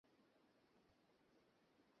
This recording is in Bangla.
সাইমন এখন বিবাহিত, মেয়েটাকে সে বড্ড ভালোবাসে।